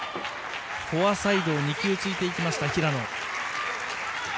フォアサイドを２球ついていきました、平野。